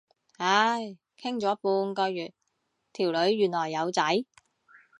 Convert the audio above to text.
唉，傾咗半個月，條女原來有仔。